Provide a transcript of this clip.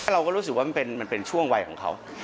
เราก็รู้สึกว่ามันเป็นช่วงวัยของเขา